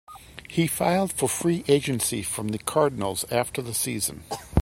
He filed for free agency from the Cardinals after the season.